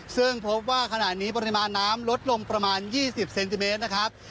ซึ่งพบว่าขณะนี้ปริมาณน้ำลดลงประมาณ๒๐เซนติเมตรนะครับ